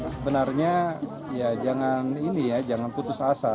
sebenarnya ya jangan ini ya jangan putus asa